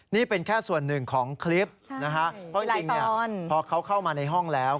นี่เป็นแค่ส่วนหนึ่งของคลิปนะฮะเพราะจริงพอเขาเข้ามาในห้องแล้ว